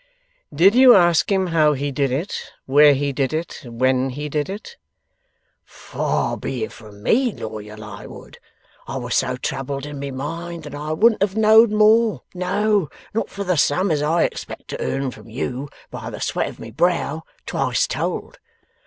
'Did you ask him how he did it, where he did it, when he did it?' 'Far be it from me, Lawyer Lightwood! I was so troubled in my mind, that I wouldn't have knowed more, no, not for the sum as I expect to earn from you by the sweat of my brow, twice told!